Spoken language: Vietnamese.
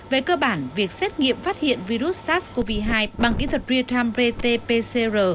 về cơ bản việc xét nghiệm phát hiện virus sars cov hai bằng kỹ thuật retam rt pcr